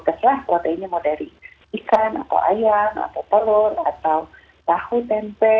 teruslah proteinnya mau dari ikan atau ayam atau telur atau tahu tempe